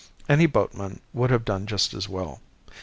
Any boatman would have done just as well.